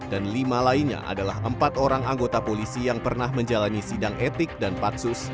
dan lima lainnya adalah empat orang anggota polisi yang pernah menjalani sidang etik dan paksus